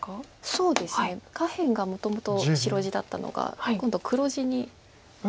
そうですね下辺がもともと白地だったのが今度黒地になってます。